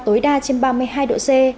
tối đa trên ba mươi hai độ c